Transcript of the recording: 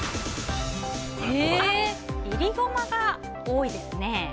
いりゴマが多いですね。